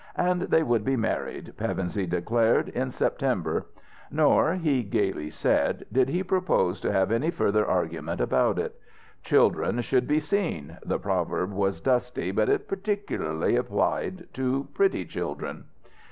And they would be married, Pevensey declared, in September: nor (he gaily said) did he propose to have any further argument about it. Children should be seen the proverb was dusty, but it particularly applied to pretty children.